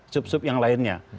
sup sup yang lainnya